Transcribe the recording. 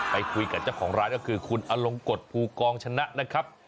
ไปคุยกับเจ้าของร้านก็คือคุณอลงกฎภูกองชนะนะครับ